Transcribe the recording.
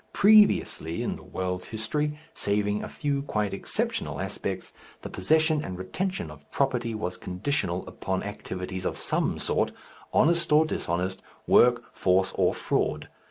Previously in the world's history, saving a few quite exceptional aspects, the possession and retention of property was conditional upon activities of some sort, honest or dishonest, work, force, or fraud.